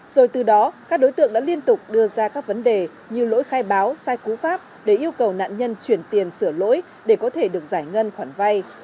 rồi từ đó các đối tượng đã liên tục đưa ra các vấn đề như lỗi khai báo sai cú pháp để yêu cầu nạn nhân chuyển tiền sửa lỗi để có thể được giải ngân khoản vay